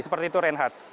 seperti itu renhar